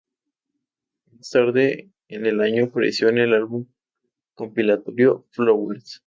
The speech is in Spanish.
Más tarde en el año, apareció en el álbum compilatorio "Flowers".